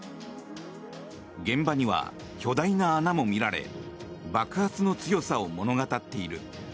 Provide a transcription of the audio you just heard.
現場には巨大な穴も見られ爆発の強さを物語っている。